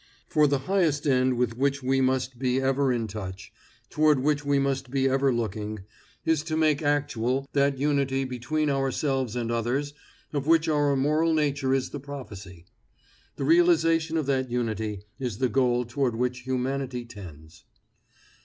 For the highest end with which we must be ever in touch, toward which we must be ever looking, is to make actual that unity between ourselves and others of which our moral nature is the prophecy. The realization of that unity is the goal toward which humanity tends.